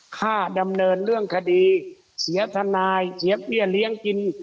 ค่าดำเนินเรื่องคดีเสียทนายเสียเบี้ยเลี้ยงกิน